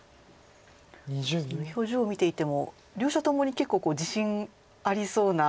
表情見ていても両者ともに結構自信ありそうな。